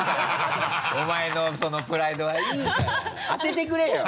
お前のそのプライドはいいから当ててくれよ！